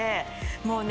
もうね